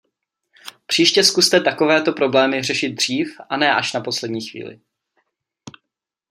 Příště zkuste takovéto problémy řešit dřív a ne až na poslední chvíli.